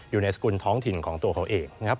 อยู่ในสกุลท้องถิ่นของตัวเขาเองนะครับ